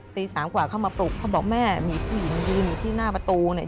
ตีสามกว่าเข้ามาปลุกเขาบอกแม่มีผู้หญิงยืนอยู่ที่หน้าประตูเนี่ย